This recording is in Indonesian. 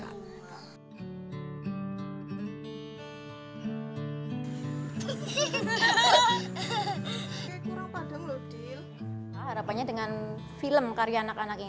harapannya dengan film karya anak anak ini